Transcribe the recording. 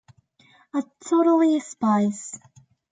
A Totally Spies!